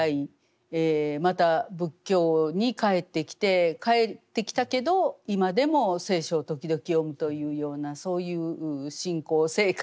また仏教に帰ってきて帰ってきたけど今でも聖書を時々読むというようなそういう信仰生活です。